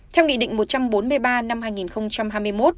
theo nghị định một trăm bốn mươi ba năm hai nghìn hai mươi một